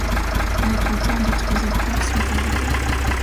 Avec le temps, d'autres épreuves sont ajoutés.